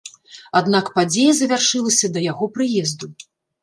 Аднак падзея завяршылася да яго прыезду.